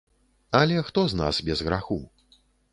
Але хто з нас без граху?